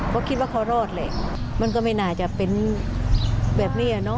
ก็คิดว่าเขารอดแหละมันก็ไม่น่าจะเป็นแบบนี้